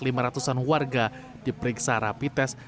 lima ratusan warga diperiksa rapitens